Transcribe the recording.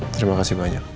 terima kasih banyak